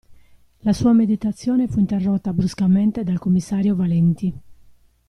La sua meditazione fu interrotta bruscamente dal commissario Valenti.